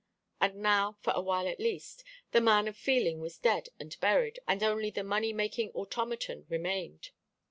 And now, for a while at least, the man of feeling was dead and buried, and only the money making automaton remained.